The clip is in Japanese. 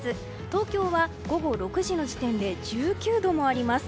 東京は午後６時の時点で１９度もあります。